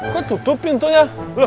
kok tutup pintunya